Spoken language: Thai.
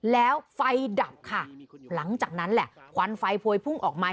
แล้วไฟดับค่ะหลังจากนั้นแหละควันไฟพวยพุ่งออกมา